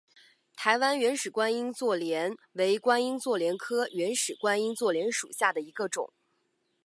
台湾原始观音座莲为观音座莲科原始观音座莲属下的一个种。